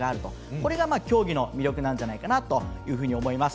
これが競技の魅力なんじゃないかなと思います。